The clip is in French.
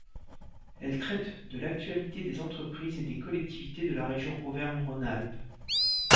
Elle traite de l'actualité des entreprises et des collectivités de la Région Auvergne-Rhône-Alpes.